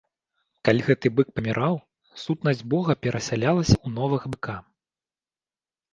Калі гэты бык паміраў, сутнасць бога перасялялася ў новага быка.